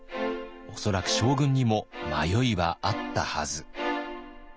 恐らく将軍にも迷いはあったはず。